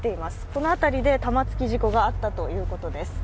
この辺りで玉突き事故があったということです。